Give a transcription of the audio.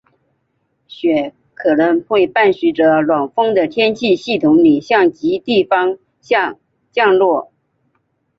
雪可能会伴随着暖锋的天气系统里向极地方向降落。